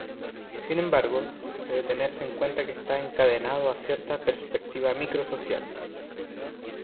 Sin embargo, debe tenerse en cuenta que está encadenado a cierta perspectiva micro social.